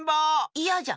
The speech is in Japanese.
いやじゃ。